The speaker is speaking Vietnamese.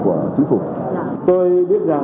chỗ vaccine phân biệt